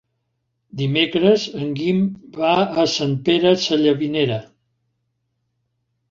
Dimecres en Guim va a Sant Pere Sallavinera.